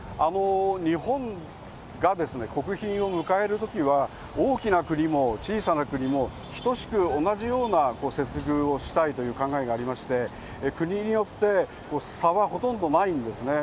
日本がですね、国賓を迎えるときは、大きな国も小さな国も、等しく同じような接遇をしたいという考えがありまして、国によって差はほとんどないんですね。